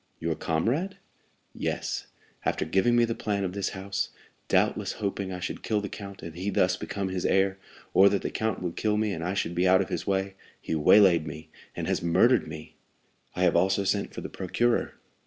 "Your comrade?" "Yes. After giving me the plan of this house, doubtless hoping I should kill the count and he thus become his heir, or that the count would kill me and I should be out of his way, he waylaid me, and has murdered me." "I have also sent for the procureur."